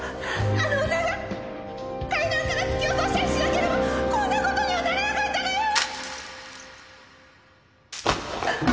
あの女が階段から突き落としたりしなければこんな事にはならなかったのよ！